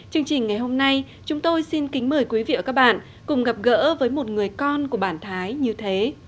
chương trình ngày hôm nay chúng tôi xin kính mời quý vị và các bạn cùng gặp gỡ với một người con của bản thái như thế